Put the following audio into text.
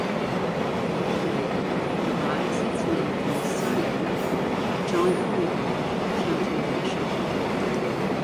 Home Lake derives its name from the surname of John Homelvig, a county official.